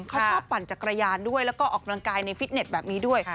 เขาชอบปั่นจักรยานด้วยแล้วก็ออกกำลังกายในฟิตเน็ตแบบนี้ด้วย